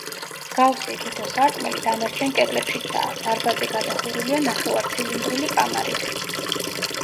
მსგავსი, თითო სარკმელი დანარჩენ კედლებშიცაა დარბაზი გადახურულია ნახევარცილინდრული კამარით.